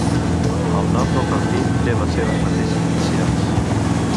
El nom del partit té les seves mateixes inicials.